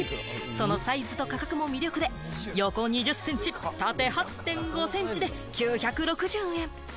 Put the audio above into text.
そのサイズと価格も魅力で、横２０センチ、縦８．５センチで９６０円！